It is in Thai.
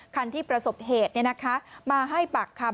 คันที่ประสบเหตุเนี่ยนะคะมาให้ปากคำ